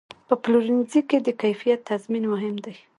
په پلورنځي کې د کیفیت تضمین مهم دی.